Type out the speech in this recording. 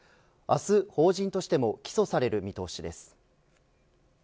明日、法人としても起訴される見通しです。